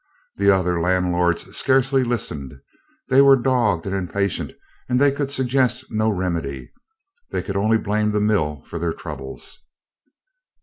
The other landlords scarcely listened; they were dogged and impatient and they could suggest no remedy. They could only blame the mill for their troubles.